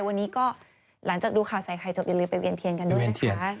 วันนี้ก็หลังจากดูข่าวใส่ไข่จบอย่าลืมไปเวียนเทียนกันด้วยนะคะ